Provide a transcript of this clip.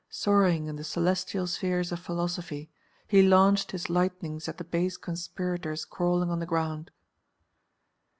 Soaring in the celestial spheres of philosophy, he launched his lightnings at the base conspirators crawling on the ground.